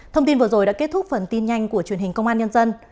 thông tin vừa rồi đã kết thúc phần tin nhanh của truyền hình công an nhân dân